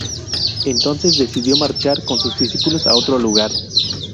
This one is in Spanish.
Entonces decidió marchar con sus discípulos a otro lugar.